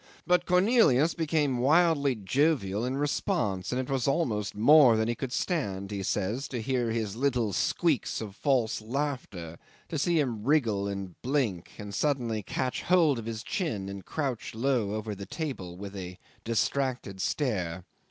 But Cornelius became wildly jovial in response, and it was almost more than he could stand, he says, to hear his little squeaks of false laughter, to see him wriggle and blink, and suddenly catch hold of his chin and crouch low over the table with a distracted stare.